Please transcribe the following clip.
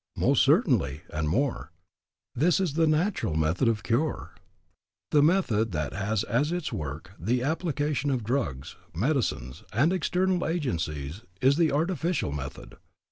Most certainly; and more, this is the natural method of cure. The method that has as its work the application of drugs, medicines and external agencies is the artificial method.